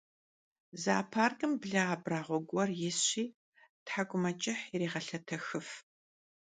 Zooparkım ble abrağue guer yisşi thek'umeç'ıh yirêğelhetexıf.